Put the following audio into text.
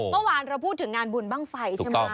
เมื่อวานเราพูดถึงงานบุญบ้างไฟใช่ไหม